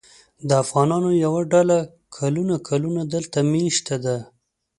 د افغانانو یوه ډله کلونه کلونه دلته مېشته ده.